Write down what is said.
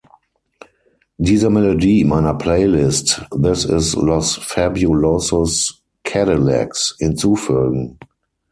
Diese Melodie meiner Playlist „This is Los Fabulosos Cadillacs“ hinzufügen.